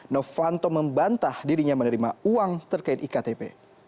novanto membantah dirinya menerima uang terkait iktp